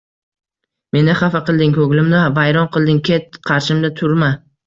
Meni xafa qilding, ko'nglimni vayron qilding. Ket, qarshimda turma.